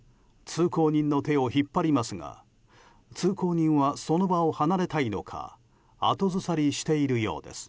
通行人の手を引っ張りますが通行人はその場を離れたいのか後ずさりしているようです。